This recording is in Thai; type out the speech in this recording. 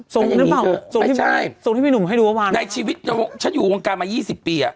ทรงนี้เถอะไม่ใช่ทรงที่พี่หนุ่มให้ดูว่าวางในชีวิตฉันอยู่องค์การมายี่สิบปีอ่ะ